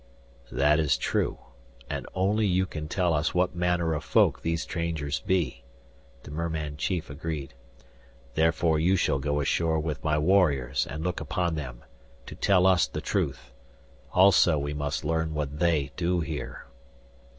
"That is true. And only you can tell us what manner of folk these strangers be," the merman chief agreed. "Therefore you shall go ashore with my warriors and look upon them to tell us the truth. Also we must learn what they do here."